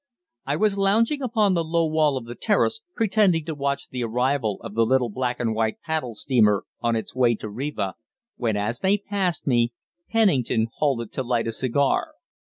I was lounging upon the low wall of the terrace, pretending to watch the arrival of the little black and white paddle steamer on its way to Riva, when, as they passed me, Pennington halted to light a cigar.